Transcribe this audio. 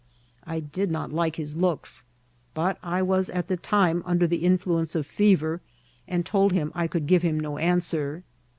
I did not like his looks, but I was at the time under the influence of fever, and told him I could give him no answer.